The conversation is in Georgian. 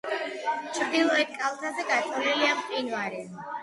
ჩრდილოეთ კალთაზე გაწოლილია მყინვარი.